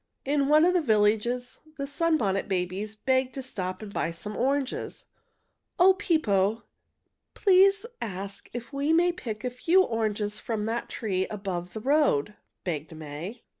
In one of the villages the Sunbonnet Babies begged to stop and buy some oranges. "O Pippo! Please ask if we may pick a few oranges from that tree just above the road," begged May.